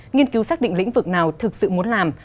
nghiên cứu xác định lĩnh vực nào thực sự muốn làm